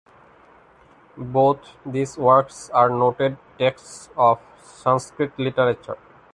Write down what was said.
Both these works are noted texts of Sanskrit literature.